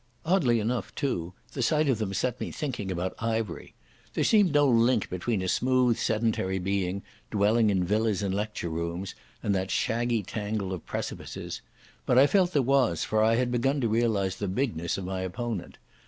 Oddly enough, too, the sight of them set me thinking about Ivery. There seemed no link between a smooth, sedentary being, dwelling in villas and lecture rooms, and that shaggy tangle of precipices. But I felt there was, for I had begun to realise the bigness of my opponent.